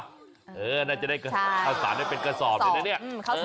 ครับเทือนจะได้ฟาร์สารนะเป็นกระสอบเลยนะเนี่ย